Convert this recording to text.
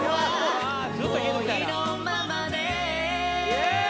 ・イエーイ！